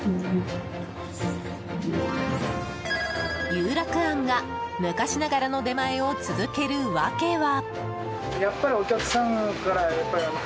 有楽庵が昔ながらの出前を続ける訳は？